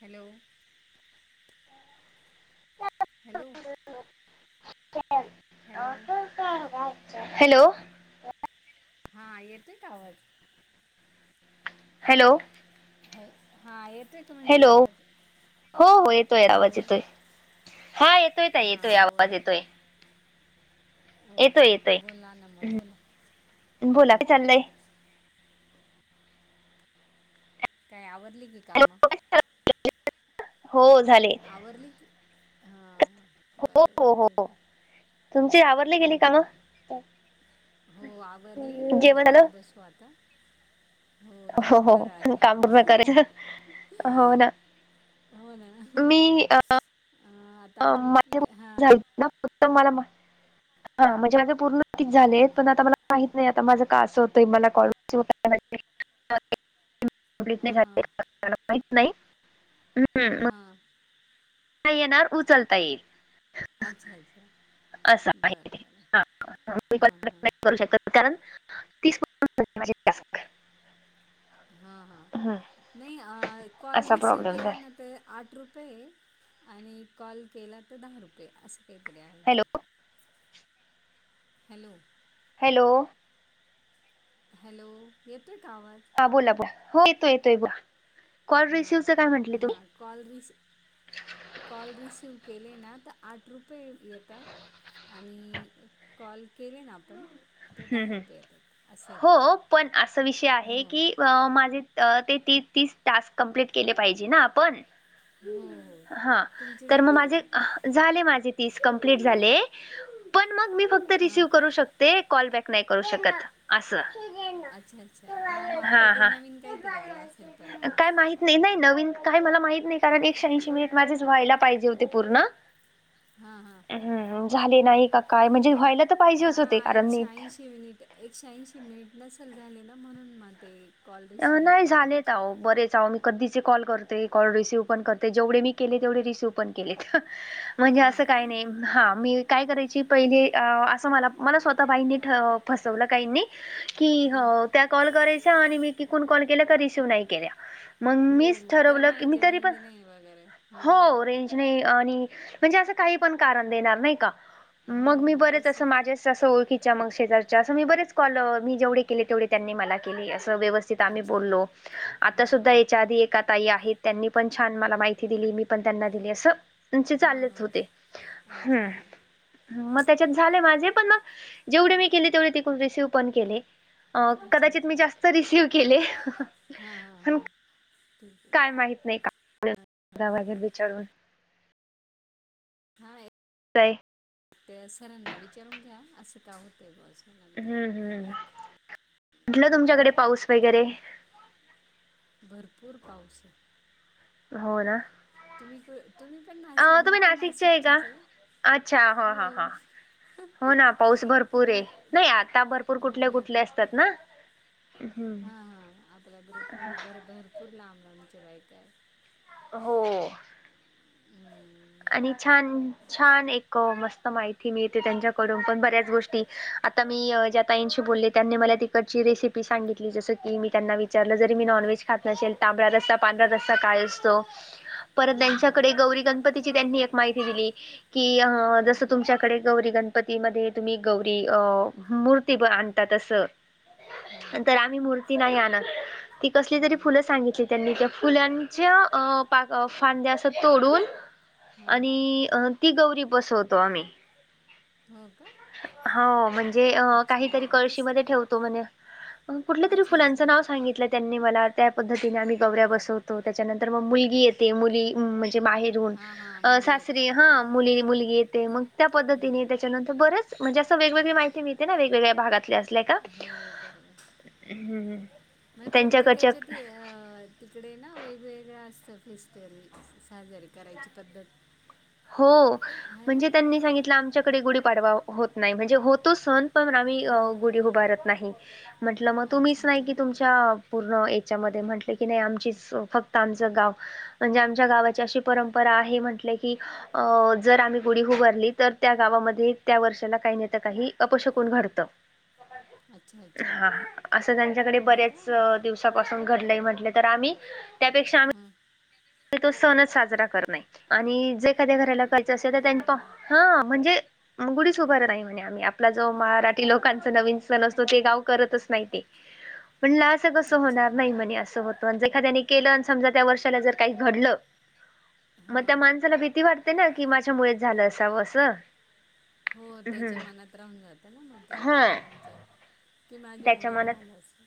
Hello! Hello! Hello [unintelligible] hello. हा येतोय का आवाज? हॅलो! हॅ हां येतोय का म्हटलं हॅलो आवाज हो हो येतोय हॅलो आवाज येतोय. हा येतोय ताई येतोय हां आवाज बोला येतोय. ओके येतोय ओके येतोय बोला ना मग बोला बोला हां. काय चाललंय काय आवरली की काम. [unintelligible] हो झाले. आवरले की हा हा. हो हो हो तुमचे आवरली कि नयी काम? हां हो आवरली म्हटलं जेवण जरा झालं बसू आता. जे हो हो फराळ झालं [unintelligible] हो ना. हो ना मी आता आपण की हा नातम मला म [unintelligible] हा म्हणजे माझे पूर्ण तिक झाले आहेत पण आता मला माहित नाही आता माझं का असं होतं मला कॉल [unintelligible] [unintelligible] [unintelligible] हां हां आपल्याला माहित नाही मग हां. नाही येणार उचलता येईल. अच्छा अच्छा असं हाय बरं ती बरं हा हा मी पण हां हां नाही कॉल करू शकत [unintelligible] मग त्याला [unintelligible] कारण तिस पर्यंत माझे टास्क हां हां नाही कॉल असा रिसीव्ह प्रॉब्लेम झाला केल्यानंतरन आठ रुपये आणि कॉल केला तर दहा रुपये असे काहीतरी आहे हॅलो ते. हॅलो हॅलो हॅलो येतोय का आवाज? हा बोला बोला, हो येतो येतोय बोला. कॉल हा रिसिव्हचं काय म्हटले तुम्ही हा कॉल रिसीव्ह. कॉल रिसीव्ह केले ना तर आठ रुपये येतात. आणि कॉल केले ना आपण. तर दहा रुपये येतात असं येतं हो, पण अस विषय आहे हो की हो माझे ते तीन तीस टास्क कंप्लीट केले पाहिजे ना आपण. हो हो हा तुमचे तर मग झाले आहे माझे. का झाले माझे तीस कंम्प्लीट झाले पण मग मी फक्त हां रिसीव करू शकते. कॉलबॅक नाही करू शकत असं. अच्छा अच्छा हा मग आता ते नवीन काहीतरी आलं असेल परत काय माहित नाही नाही नवीन काय मला माहित नाही कारण एकशे ऐंशी मिनिट माझेच व्हायला पाहिजे होते पूर्ण. हा हा. हम्म झाले नाही का काय म्हणजे व्हायला तर पाहिजेच होते. कारण एकशे नीट अंशी मिनिट, एकशे अंशी मिनिट झाले नसेल ना म्हणून मग ते. कॉल रिसीव्ह होत नाही आहे झालेत तुमचे. अहो बरेच अहो, परी चाऊन. कधीचे कॉल करते, कॉल रिसीव पण करते जेवढे मी केले तेवढे रिसिव्ह पण केले. म्हणजे हां असं का? काय नाय. हा मी काय करायची, पहिली असं मला मला स्वतः बाईंनी फसवलं काहींनी. की हां. हो त्या कॉल करायच्या आणि मी किकून कॉल केल्या, का रिसीव्ह नाही केल्या. मग हो मीच मग त्या ठरवलं की मी म्हणायच्या तरी पण, रेंज नाही वगैरे. हां. हो रेंज नाही काम्हणजे असं काही पण कारण देणार नाही का, मग हो मी बरचसं तसंच. माझे तसं ओळखीच्या मग शेजारच्या असं मी बरेच कॉल मी जेवढे केले तेवढे त्यांनी मला केले, अस व्यवस्थ तिथ आम्ही अच्छा, अच्छा. बोललो, आता हां, सुद्धा हां. ह्याच्या आधी एका ताई आहेत, त्यांनी पण छान मला माहिती दिली मी पण त्यांना दिली असं. त्यांचे हां, चाललेच हां. होते अच्छा, हम्म. अच्छा. मग त्याच्यात झाले माझे पण मग जेवढी मी केली तेवढी त रिसीव पण केले. अ कदाचित मी जास्त रिसिव केले. हा हा पण हा, ठीक आहे. काय माहित नाही काय झालं, घ्याव विचारून. हा ए तय. त्या सरांना विचारून घ्या, असं काय होतं बावा असं. नंतर. हम्म हम्म हम्म, कुठलं नाही तुमच्याकडे का? पाऊस वगैरे? बरं. भरपूर पाऊस आहे. हो ना. तुम्ही तुम्ही पण अ नासेक मी तुम्ही पण नाशिकचे आहे का? नाशिकचीच हे अच्छा हा हा हा हो. हो ना पाऊस भरपूर मी हे नाही, आता भरपूर कुठले कुठले असतात ना. हा हा आपला ग्रुप म्हणजे हम्म भर भरपूर लांब लांबचे बायकां आहेत. हो. हम्म. आणि छान छान एक मस्त माहिती मिळतेे त्यांच्याकडून पण बऱ्याच गोष्टी आता मी ज्या ताईशी बोलें त्यांनी मला तिकडची रेसिपी सांगितली, जस की मी त्यांना विचारल जरी मी नॉनव्हेज खात नसेेल. तांबडा रस्ता पांढरा रस्सा काय असतो. [inaudible] परत त्यांच्याकडे हां गौरी गणपतीची त्यांनी एक माहिती दिली. कि अ जसं हां. तुमच्याकडे गौरी गणपतीमध्ये तुम्ही गौरी अ मुळं. की ब आणता तसं. [inaudible] हां तर आम्ही मूर्ती नाही आणत. ती कसली तरी हां फुलं सांगितली. त्यांनी त्या फुलांच्या अ फांद्या असं तोडून. हां हां. आणि ती गौरी बसवतो आम्ही. हो का. हो म्हणजे. जे अच्छा काहीतरी कळशी मध्ये कसलं? ठेवतो म्हणे. पण कुठल्या तरी अच्छा फुलांच अच्छा. नाव सांगितले म्हणे. त्यांनी मला त्या पद्धतीने आम्ही गौऱ्या बसवतो. त्याच्यानंतर मग मुलगी येते मुली म्हणजे माहेरी. हां हां मधून मुली सासरी येतात हा बाहेर. मुली मुलगी येते मग त्या हं. पद्धतीने. त्या नंतर बरंच म्हणजे असं वेगळी माहिती मिळते ना वेगवेगळ्या भागातल्या. गेतल्या कां हो बरोबर. हम हम त्यांच्या कडच्या. अ तिकडे ना वेगवेगळं असतं. फेस्टिवल साजरे करायची पद्धत. हो. आहे ना म्हणजे त्यांनी सांगितलं. आमच्याकडे गुढी पाडवा होत नाही. म्हणजे होतो सण पण आम्ही गुढी हां उभारत. नाही. म्हंटलं मग अच्छा तुम्हीच नाही अच्छा की तुमच्या पूर्ण याच्यामध्ये म्हंटलं की नाही आमचीच फक्त आमचं गाव. म्हणजे आमच्या गावाची अशी परंपरा आहे. म्हंटले की, अ जर आम्ही गुढी उभारली तर, त्या गावामध्ये त्या वर्षाला काही ना तर काही अपशकून घडतं. [inaudible] अच्छा अच्छा हा हा असं त्यांच्याकडे हो का बऱ्याच दिवसा दिवसा पासून घडलंय म्हटलेतर आम्ही त्या पेक्षा आम्ही. [inaudible] तो सणच साजरा करत नाही. आणि जे एखाद अरे घराला बापरे करायचं असेल तर त्या तो हां म्हणजे. गुडीच उभार नाही म्हणे, आम्ही आपला जो मराठी लोकांचा नवीन सण असतो ते गाव करतच नाही ते. पनलास. असं कस अच्छा होणार नाही म्हणे, असं होतं एखादाणी नी केलं समजा त्या वर्षाला जर काही घडलं. म त्या हां माणसाला भीती वाटते ना की माझ्यामुळे झालं असावं असं. हो हम् तेच्या मनात राहून जातं ना मग ते हा कायमचं. की त्याच्या माझ्यामुळे मनात झाल असं.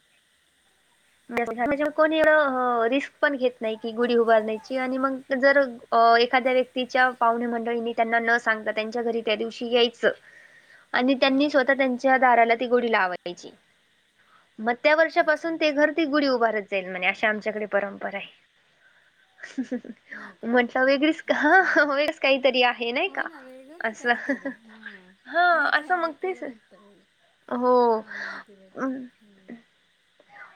म्हणजे हम्म. कोण. मी ह रिस्क पण घेत नाही. की गुढी उभारण्याची आणि मग जर एखाद्या व्य तिच्या पाहुणे मंडळीनी त्यांना न सांगता त्यांच्या घरी त्या दिवशी यायचं. [inaudible] आणि त्यांनी स्वतः त्यांच्या दाराला ती गुडी लावायची. मग त्या अच्छा वर्षापासून ते अच्छा घर. ती गुढी उभारत जाईल. म्हणे अशी आमच्याकडे परंपरा आहे. हो का म्हटलं वेगळीच हा अच्छा, वेगळीच काहीतरी आहे नाही का? हो ना वेगळंच आहे असं काहीतरी ह. हा काय काय असं मग आयकाला तेच भेटत बाई हो. हा माहिती भेटत हम्.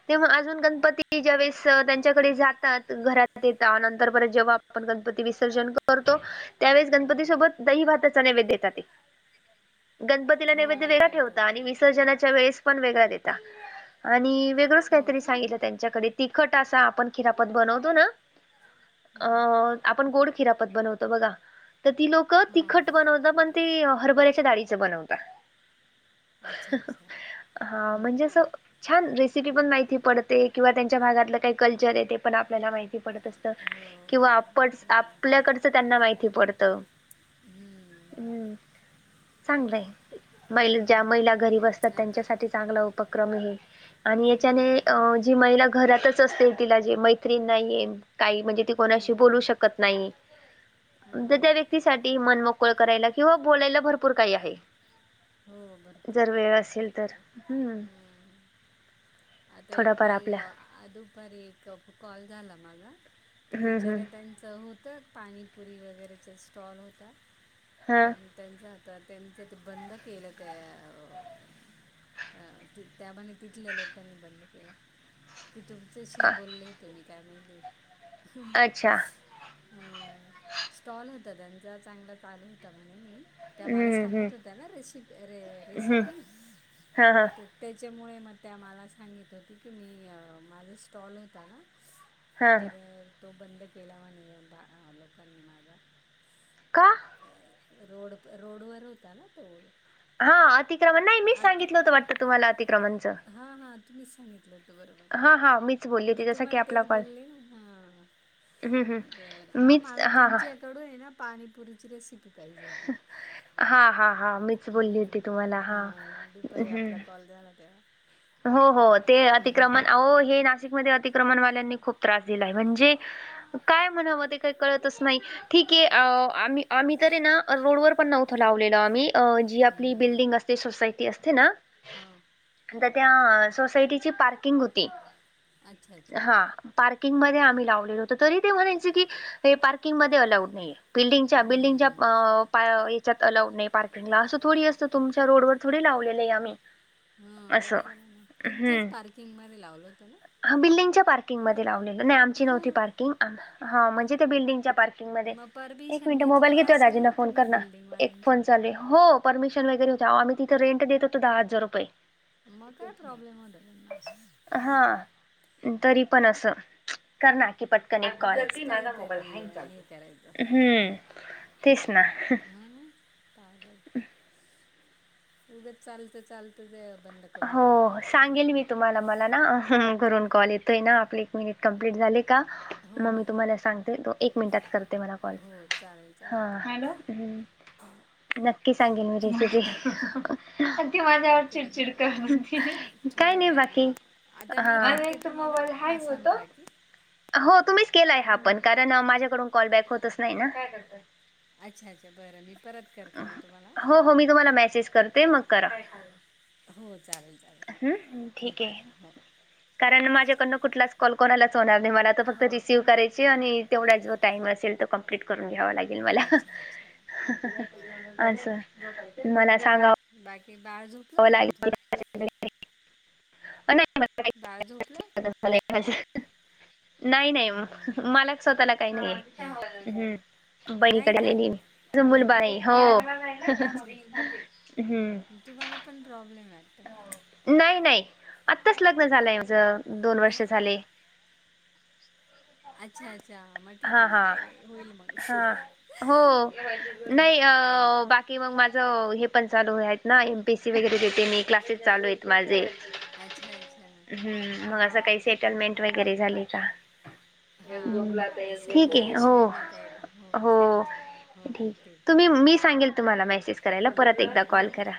तेव्हा अजून गणपती ज्यावेळेस त्यांच्याकडे जातात. घरात येतात नंतर परत जेव्हा, आपण गणपती विसर्जन करतो. त्यावेळेस गणपती सोबत दही भाताचा नैवेद्य देतात ये. गणपतीला हो नैवेद्य वेगळा दैवातच ठेवता आणि आहे. विसर्जनाच्या वेळेस पण वेगळा देतात आणि वेगळच हो काहीतरी का? सांगितलं त्यांनी. आमच्याकडे आपण तिखट असा खिरापत बनवतो ना अ. हां आपण गोड खिरापत बनवतो बघा तर ती लोक तिखट हां. बनवत पण ते हरबर्याच्या हरभऱ्याच्या डाळीचं बनवता अच्छा, अच्छा. हा हो म्हणजे का? असं. छान रेसिपी पण माहिती पडते किंवा त्यांच्या भागातलं काही कल्चर आहे ते पण आपल्याला माहिती पडत असतं हो किंवा बरोबर. आपण हं. आपल्याकडचं त्यांना माहिती पडत. तं हं. हम्म चांगलंय. महिला ज्या महिला घरीब असतात हं. आता त्यांच्यासाठी चांगला उपक्रम आहे आणि हो याच्याने. अ बरं. जी महिला घरातच असते तिला जे मैत्रीण नाहीये. काही म्हणजे ती कोणाशी हो, हो. बोलू शकत नाही तर हां. त्या व्यक्तीसाठी. मनमोकळ करायला किंवा बोलायला भरपूर काही आहे. हो भरपूर जर पण वेळ आहे असेल तर बरोबर. हम्म. हं. आता एक थोडाफार आपल्या ताई दुपारी एक कॉल झाला माझा तर बिचऱ्यात हम्म बिचार्या हम्म त्यानं चं होतं पाणीपुरी वगैरेचा स्टॉल होता हा तर. त्यांच आता, त्यांचं ते बंद केलं त्या अ त्याबाणे तिथल्या लोक. यांनी बंद केला तुमचशी बोलले तुही काय माहिती हम अच्छा. अ स्टॉल होता त्यांचा चांगला चालू होता म्हणे मी. त्या मला हम्म हम्म सांगत होत्या ना रेसिप रे हम्म रेसिपी हा हा ते त्याच्यामुळे मग त्या मला सांगित होती की मी माझा स्टॉल होता ना. हा तर तो बंद केला म्हण लोकांनी माझा. का? रोड रोड वर होता ना तो. हा अतिक्रमण नाही, मी सांगितलं होत वाटतं तुम्हाला अतिक्रमणचं. हा हा तुम्हीच सांगितलं होत हां हां मीच बोलली बरोबर मी होती जसा की तुम्हाला आपला तेच कॉल बोलली ह. हं हं बर हा मीच मला हां हां तुमच्या याकडून आहे ना, पाणीपुरीची रेसिपी पाहिजे होती. हां हां हां मीच बोलली होती तुम्हाला हम्म हां हा दुपारी हं आपला कॉल झाला तेव्हा. हो हो, ते अतिक्रमण अहो हे नाशिकमध्ये अतिक्रमणवाल्यांनी खूप त्रास दिलाय म्हणजे. काय म्हणावं ते काही कळतच नाही. ठीक आहे आम्ही आम्ही तरी ना रोडवरर पण नव्हतं लावलेललं आम्ही. अ जी आपली बिल्डिंग असते सोसायटी असते ना. हा. तर त्या सोसायटीची पार्किंग होती अच्छा अच्छा हा. पार्किंग मध्ये आम्ही लावलेलो होतो तरी ते म्हणायच की हे पार्किंग मध्ये अलाउड नाहीये. बिल्डिंगच्या बिल्डिंगच्या हम्म अ याच्यात अलाउड नाही पार्किंगला असं थोडी असतं तुमच्या रोड व र थोडी लावलेले आहे आम्ही. हा बर असं झाल न तुमच्याच हम्म पार्किंग म लावलं होतं ना? हा बिल्डिंगच्या पार्किंगमध्येध्ये लावलेलं नाही आमची नव्हती हो. पार्किंग ह म्हणजे ते बिल्डिंगच्या पार्किं मग परमिशन मिनिट मोबाल घेतलेली घेत असेल दाजी फोन तुम्ही कर ना, एक बिल्डिंगवाल्यांची? फोन चालू हो. परमिशन वगैरे हो तर आम्ही तिथे रेंट देत होतो दहा हजार रुपये. मग काय प्रॉब्लेम होता त्यांना, असा. हा तरी पण असं कर ना की पट कनी काँल उगच काहीतरी अ, हे करायचं. हम तेच ना [unintelligible] हो ना पागल उगच चालतं चालत ते बंद करून टाक ल हो [unintelligible] सांगेल मी तुम्हाला मला ना घरून कॉल येतो आहे ना आपले एक मिनिट कंप्लीट झाले का हो मग मी हो. तुम्हाला सांगते तो एक मिनिटात कर ते मला कॉल हो चालेल चालेल ठीक हॅलो हम नक्की सांगेन मी ती अगदी माझ्यावर बाकी अजून चिडचिड काय थोड्या नाही वेळ अ बाकी आता मी करते एक तर तुम्हाला मोबाईल हा हँग होतो संपला की? हो तुम्हीच केलाय हा पण कारण माझ्याकडून कॉल बॅक होतच नाही ना. अच्छा अच्छा बरं मी परत करते मग तुम्हाला. हो हो मी तुम्हाला मेसेज करते मग करा. हो चालेल चालेल हम् ठीक आहे कारण ओके माझ्याकडनं चालेल कुठलाच कॉल कोणालाच होणार नाही मला फक्त रिसीव करायची आणि तेवढा जो टाईम असेल तो कमप्लीट करून घ्यावा लागेल मला अच्छा अच्छा बरं बरं अस चालेल मला सांगा बाकी बाळ झोप [unintelligible] बाळ झोपल? [unintelligible] नाही नाही मलाच स्वतःला काही नाही हम. नाही का बईकडेली मी अरे मुलबाळ बापरे हो अच्छा हम्म [unintelligible] तुम्हाला पण प्रॉब्लेम वाटत नाही नाही आत्ताच लग्न झालंय आहे. माझ दोन वर्ष नाही झाले. अच्छा अच्छा मग ठीक हा आहे मग हा काही नाही होईल मग. हा हो नाही ठीक अ आहे चालेल बाकी कि मग माझं हे पण आहेत ना एम पी एस सी वगैरे देते मी क्लासेस चालू आहेत माझे. अच्छा अच्छा हम्म मग असं काही सेटलमेंट बरं वगैरे झाली का? हा मग काय सेट ठीके हो झाल्याशिवाय नाही काय हो. चालेल चालेल हो ठीक ते ते तुम्ही मी सांगेल तुम्हाला मेसेज करायला परत एकदा हो हो कॉल करा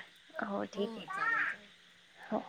हो ठीक आहे. चालेल चालेल. हो.